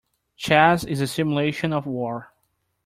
Chess is a simulation of war.